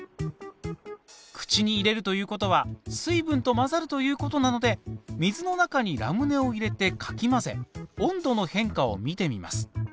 口に入れるということは水分と混ざるということなので水の中にラムネを入れてかき混ぜ温度の変化を見てみます。